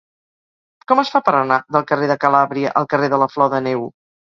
Com es fa per anar del carrer de Calàbria al carrer de la Flor de Neu?